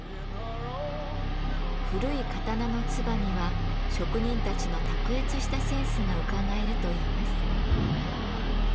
古い刀の鐔には職人たちの卓越したセンスがうかがえるといいます。